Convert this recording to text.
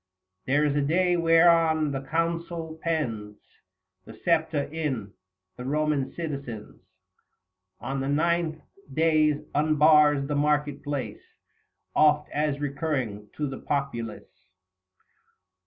There is a day whereon the consul pens 55 The Septa in, the Koman citizens. On the ninth days unbars the market place, Oft as recurring, to the populace.